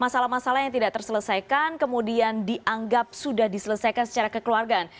masalah masalah yang tidak terselesaikan kemudian dianggap sudah diselesaikan secara kekeluargaan